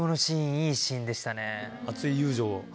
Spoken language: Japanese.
厚い友情。